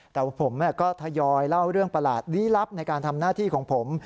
แต่ว่าผมก็ทยอยเล่าเรื่องประหลาดลี้ลับในการทำหน้าที่ของผม